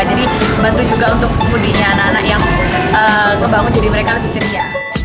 jadi bantu juga untuk kemudian anak anak yang kebangun jadi mereka lebih ceria